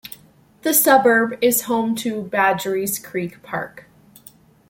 The suburb is home to Badgerys Creek Park.